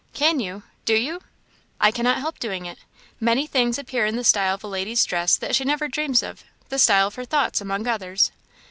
"Can you? do you?" "I cannot help doing it. Many things appear in the style of a lady's dress that she never dreams of; the style of her thoughts, among others."